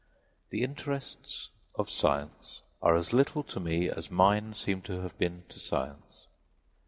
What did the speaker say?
The interests of science are as little to me as mine seem to have been to science.